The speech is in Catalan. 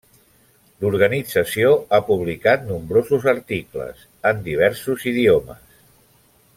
L'organització ha publicat nombrosos articles, en diversos idiomes.